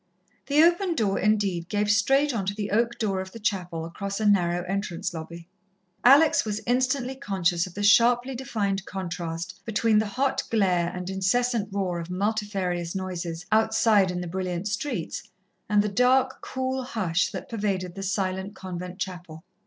The open door, indeed, gave straight on to the oak door of the chapel across a narrow entrance lobby. Alex was instantly conscious of the sharply defined contrast between the hot glare and incessant roar of multifarious noises outside in the brilliant streets, and the dark, cool hush that pervaded the silent convent chapel.